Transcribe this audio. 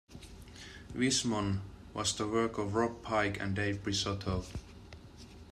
Vismon was the work of Rob Pike and Dave Presotto.